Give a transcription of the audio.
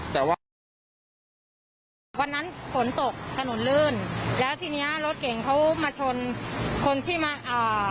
แต่ว่าวันนั้นฝนตกถนนลื่นแล้วทีเนี้ยรถเก่งเขามาชนคนที่มาอ่า